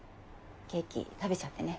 ケーキ食べちゃってね。